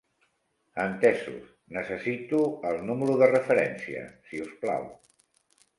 Entesos, necessito el número de referència, si us plau.